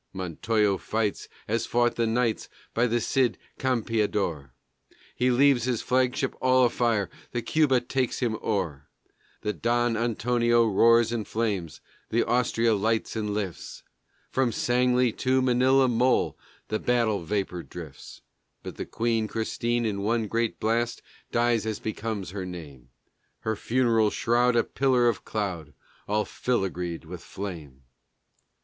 Montojo fights as fought the knights by the Cid Campeador; He leaves his flagship all afire, the Cuba takes him o'er The Don Antonio roars and fumes, the Austria lights and lifts; From Sangley to Manila Mole the battle vapor drifts; But the Queen Christine in one great blast dies as becomes her name, Her funeral shroud a pillar of cloud all filagreed with flame.